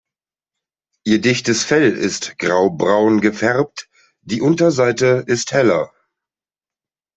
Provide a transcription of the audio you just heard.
Ihr dichtes Fell ist graubraun gefärbt, die Unterseite ist heller.